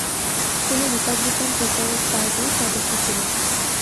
তিনি Republican People's পার্টির সদস্য ছিলেন।